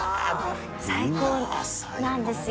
最高なんですよ